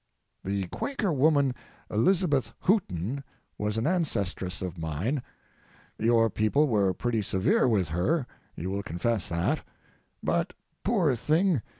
The Quaker woman Elizabeth Hooton was an ancestress of mine. Your people were pretty severe with her you will confess that. But, poor thing!